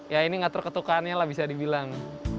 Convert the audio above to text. ya ini ngatur ketukannya lah bisa dibilang